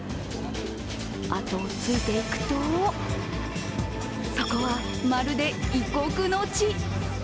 あとをついていくとそこは、まるで異国の地。